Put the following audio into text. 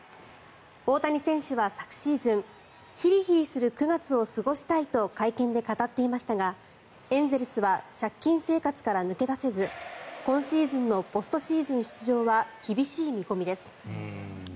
大谷選手は昨シーズンヒリヒリする９月を過ごしたいと会見で語っていましたがエンゼルスは借金生活から抜け出せず今シーズンのポストシーズン出場は厳しい見込みです。